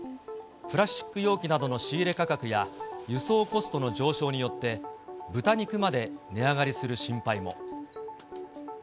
プラスチック容器などの仕入れ価格や、輸送コストの上昇によって、豚肉まで値上がりする心配も。